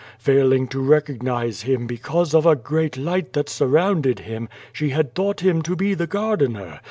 Fail ing to recognize Him because of a great light that surrounded Him she had thought Him to be the gardener.